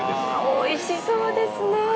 美味しそうですね。